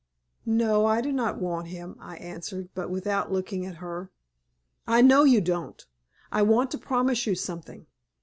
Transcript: "No, I do not want him," I answered, but without looking at her. "I know you don't. I want to promise you something.